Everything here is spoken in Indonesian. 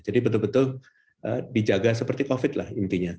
jadi betul betul dijaga seperti covid lah intinya